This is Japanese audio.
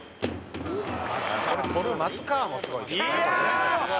「これ捕る松川もすごい」「いやあ！」